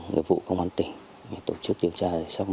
nghiệp vụ công an tỉnh để tổ chức điều tra